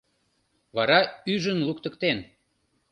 Вара ӱжын луктыктен.